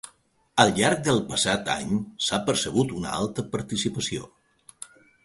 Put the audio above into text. Al llarg del passat any s’ha percebut una alta participació.